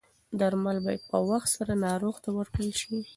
درمل باید په وخت سره ناروغ ته ورکړل شي.